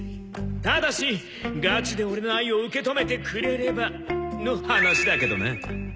「ただしガチでオレの愛を受け止めてくれればの話だけどな」